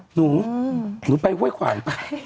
หนูหนูไปไหว้ขวัญ